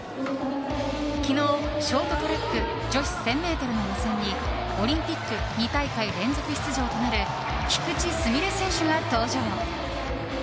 昨日ショートトラック女子１０００ｍの予選にオリンピック２大会連続出場となる菊池純礼選手が登場。